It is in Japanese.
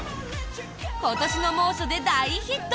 今年の猛暑で大ヒット。